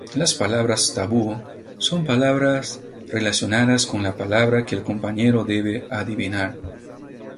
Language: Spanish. Las palabras tabú son palabras relacionadas con la palabra que el compañero debe adivinar.